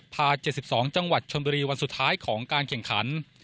๗๒จังหวัดชนบุรีวันสุดท้ายของการแข่งขัน